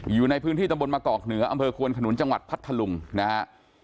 อยู่ในพื้นที่ตำบลมะกอกเหนืออำเภอควนขนุนจังหวัดพัทธลุงนะฮะ